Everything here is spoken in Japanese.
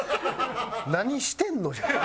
「何してんの？」じゃない？